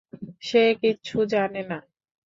সে কিচ্ছু জানে না।